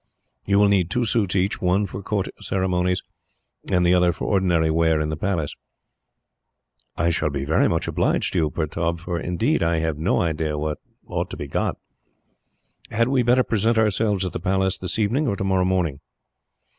You will need two suits; one for Court ceremonies, and the other for ordinary wear in the Palace." "I shall be very much obliged to you, Pertaub, for indeed I have no idea what ought to be got. Had we better present ourselves at the Palace this evening, or tomorrow morning?"